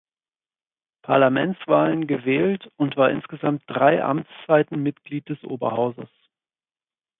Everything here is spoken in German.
Parlamentswahlen gewählt und war insgesamt drei Amtszeiten Mitglied des Oberhauses.